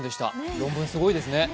論文、すごいですね。